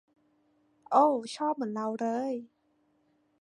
โอว ชอบเหมือนเราเลย